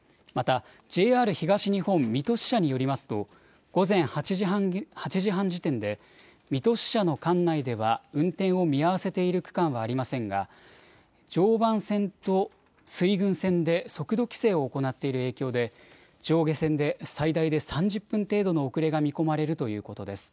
またＪＲ東日本水戸支社によりますと午前８時半時点で水戸支社の管内では運転を見合わせている区間はありませんが常磐線と水郡線で速度規制を行っている影響で上下線で最大で３０分程度の遅れが見込まれるということです。